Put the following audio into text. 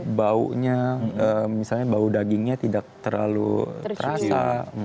baunya misalnya bau dagingnya tidak terlalu terasa